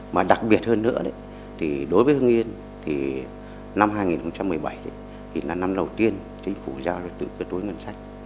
mà đặc biệt hơn nữa đối với hương yên năm hai nghìn một mươi bảy là năm đầu tiên chính phủ giao được tự cơ túi ngân sách